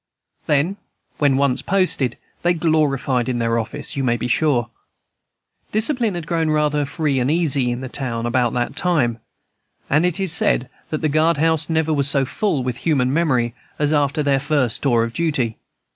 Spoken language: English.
Then, when once posted, they glorified their office, you may be sure. Discipline had grown rather free and easy in the town about that time, and it is said that the guard house never was so full within human memory as after their first tour of duty.